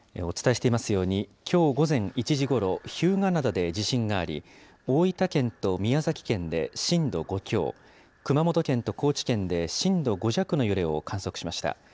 お伝えしていますように、きょう午前１時ごろ、日向灘で地震があり、大分県と宮崎県で震度５強、熊本県と高知県で震度５弱の揺れを観測しました。